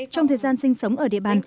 trong thời gian sinh sống ở địa bàn